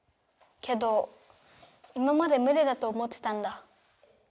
けど今までむりだと思ってたんだ。